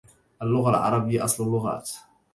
اللغة العربية أصل اللغات.